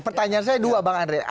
pertanyaan saya dua bang andre